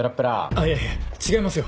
あっいやいや違いますよ